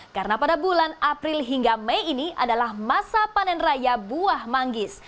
karena pada bulan april hingga mei ini adalah masa panen raya buah manggis